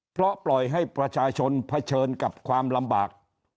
เพราะปล่อยให้ประชาชนเผชิญกับความลำบาก